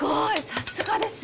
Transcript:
さすがです！